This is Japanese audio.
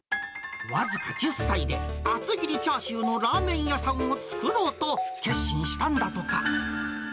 僅か１０歳で、厚切りチャーシューのラーメン屋さんを作ろうと決心したんだとか。